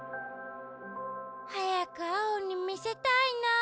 はやくアオにみせたいなあ。